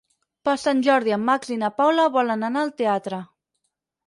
Per Sant Jordi en Max i na Paula volen anar al teatre.